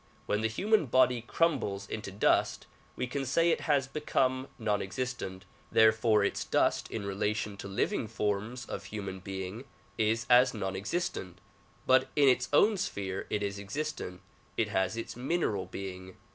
AVhen the human body crumbles into dust we can say it has become non existent; therefore its dust in relation to living forms of human being is as non existent but in its own sphere it is existent, it has its mineral being.